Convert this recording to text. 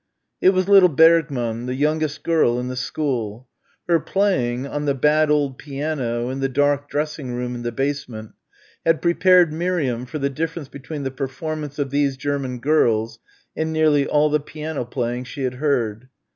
It was little Bergmann, the youngest girl in the school. Her playing, on the bad old piano in the dark dressing room in the basement, had prepared Miriam for the difference between the performance of these German girls and nearly all the piano playing she had heard.